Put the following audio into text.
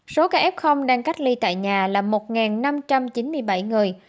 số ca f đang cách ly tại nhà là một năm trăm chín mươi bảy người